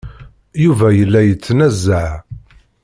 Yuba yella yettnazaɛ.